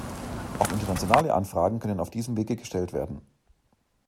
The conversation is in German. Auch internationale Anfragen können auf diesem Wege gestellt werden.